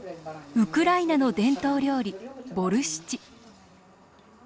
ウクライナの伝統料理ボルシチ